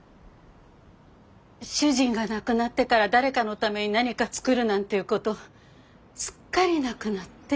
主人が亡くなってから誰かのために何か作るなんていうことすっかりなくなって。